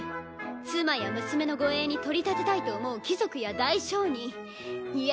妻や娘の護衛に取り立てたいと思う貴族や大商人いえ